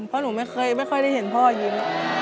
เพราะหนูไม่ค่อยได้เห็นพ่อยิ้ม